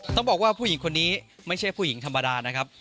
ต้องบอกว่าผู้หญิงคนนี้ไม่ใช่ผู้หญิงธรรมดานะครับ